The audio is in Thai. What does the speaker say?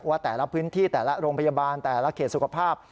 แต่ละพื้นที่แต่ละโรงพยาบาลแต่ละเขตสุขภาพ